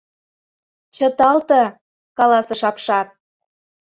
— Чыталте, — каласыш апшат.